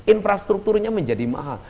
infrastrukturnya menjadi mahal